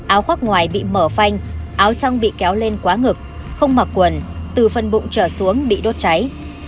áo khoác ngoài bị mở phanh áo trong bị kéo lên quá ngực không mặc quần từ phần bụng trở xuống bị đốt cháy